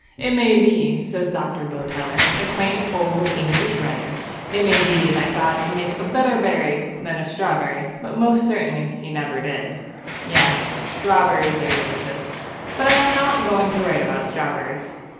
'It may be,' says Dr. Boteler, a quaint old English writer, 'it may be that God could make a better berry than a strawberry, but most certainly He never did.' Yes, strawberries are delicious; but I am not going to write about strawberries.